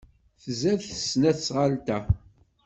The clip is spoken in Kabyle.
Tzad tesnasɣalt-a.